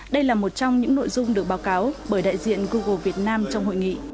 đây là một trong những nội dung được báo cáo bởi đại diện google việt nam trong hội nghị